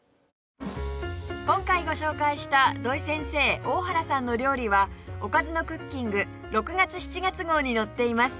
今回ご紹介した土井先生大原さんの料理は『おかずのクッキング』６月７月号に載っています